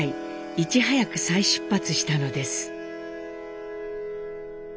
いち早く再出発したのです。